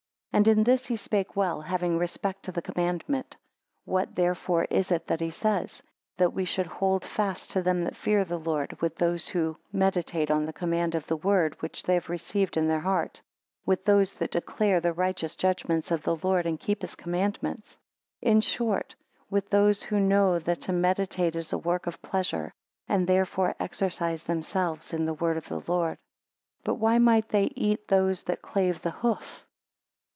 17 And in this he spake well, having respect to the commandment. What, therefore, is it that he says? That we should hold fast to them that fear the Lord; with those who meditate on the command of the word which they have received, in their heart; with those that declare the righteous judgments of the Lord, and keep his commandments; 18 In short, with those who know that to meditate is a work of pleasure, and therefore exercise themselves in the word of the Lord. 19 But why might they eat those that clave the hoof?